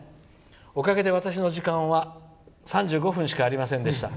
おかげで私の時間は３５分しかありませんでした。